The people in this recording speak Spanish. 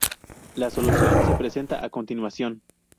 La solución se presenta a continuación.